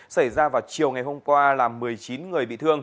xảy ra vào chiều ngày hôm qua là một mươi chín người bị